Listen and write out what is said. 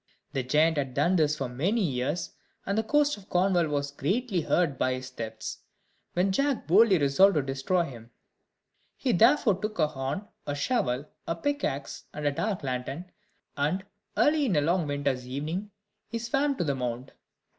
The giant had done this for many years, and the coast of Cornwall was greatly hurt by his thefts, when Jack boldly resolved to destroy him. He therefore took a horn, a shovel, a pickaxe, and a dark lantern, and, early in a long winter's evening, he swam to the Mount.